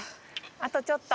あとちょっと。